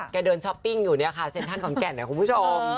เดินช้อปปิ้งอยู่เนี่ยค่ะเซ็นทรัลขอนแก่นเนี่ยคุณผู้ชม